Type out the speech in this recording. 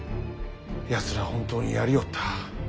やつら本当にやりおった。